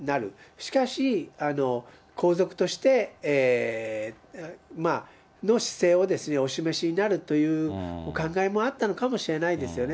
しかし、皇族としての姿勢をお示しになるというお考えもあったのかもしれないですよね。